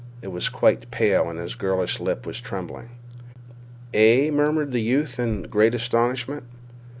He was quite pale and his girlish lip was trembling. "Eh?" murmured the youth in great astonishment.